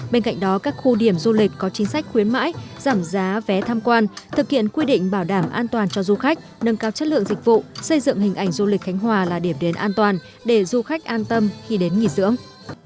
bên cạnh đó các khu điểm du lịch có chính sách khuyến mãi giảm giá vé tham quan thực hiện quy định bảo đảm an toàn cho du khách nâng cao chất lượng dịch vụ xây dựng hình ảnh du lịch khánh hòa là điểm đến an toàn để du khách an tâm khi đến nghỉ dưỡng